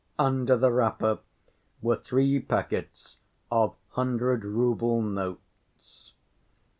Under the wrapper were three packets of hundred‐rouble notes.